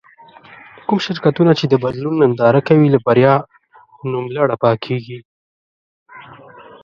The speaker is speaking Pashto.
کوم شرکتونه چې د بدلون ننداره کوي له بريا نوملړه پاکېږي.